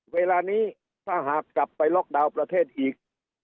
เวลานี้ถ้าหากกลับไปล็อกดาวน์ประเทศอีก